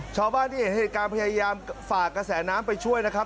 ชาวบ้านที่เห็นเหตุการณ์พยายามฝากกระแสน้ำไปช่วยนะครับ